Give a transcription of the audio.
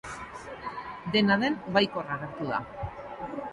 Dena den, baikor agertu da.